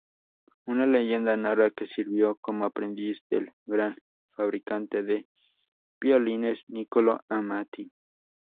Una leyenda narra que sirvió como aprendiz del gran fabricante de violines Nicolò Amati.